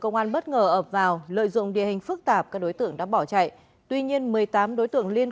thất ngờ ập vào lợi dụng địa hình phức tạp các đối tượng đã bỏ chạy tuy nhiên một mươi tám đối tượng liên